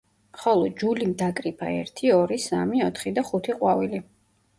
ხოლო, ჯულიმ დაკრიფა ერთი, ორი, სამი, ოთხი და ხუთი ყვავილი.